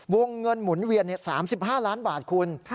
วงเงินหมุนเวียน๓๕ล้านบาทคุณ